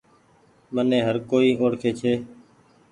مني هر ڪوئي اوڙکي ڇي۔